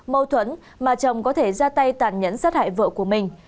mâu thuẫn mà chồng có thể ra tay tàn nhẫn sát hại vợ của mình